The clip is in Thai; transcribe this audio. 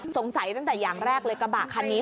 สงสัยตั้งแต่อย่างแรกเลยกับบ้างคันนี้